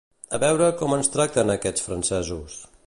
A veure com ens tracten aquests francesos